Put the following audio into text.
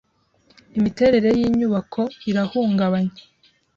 Imiterere yinyubako irahungabanye.